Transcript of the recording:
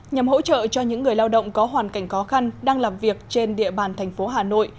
nhằm hỗ trợ cho những người lao động có hoàn cảnh khó khăn đang làm việc trên địa bàn thành phố hà nội